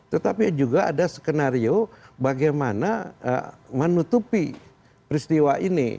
tetapi juga ada skenario bagaimana menutupi peristiwa ini